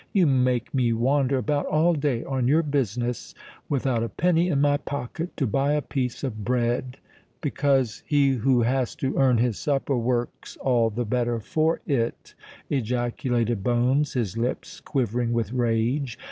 "You make me wander about all day on your business, without a penny in my pocket to buy a piece of bread——" "Because he who has to earn his supper works all the better for it," ejaculated Bones, his lips quivering with rage.